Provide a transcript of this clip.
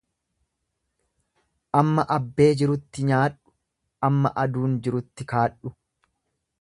Amma abbee jirutti nyaadhu amma aduun jirutti kaadhu.